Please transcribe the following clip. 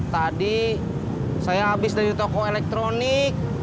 tadi saya habis dari toko elektronik